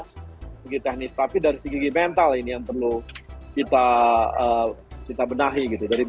segi teknis tapi dari segi mental ini yang perlu kita benahi gitu